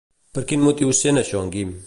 Per quin motiu sent això en Guim?